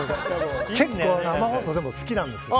結構、生放送好きなんですよ。